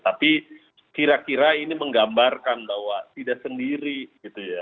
tapi kira kira ini menggambarkan bahwa tidak sendiri gitu ya